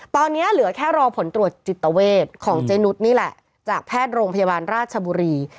ตอนนี้เหลือแค่รอผลตรวจจิตเวทของเจนุสนี่แหละจากแพทย์โรงพยาบาลราชบุรี